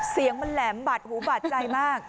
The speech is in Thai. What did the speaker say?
เสียงมันแหลมบาดหูบาดใจมาก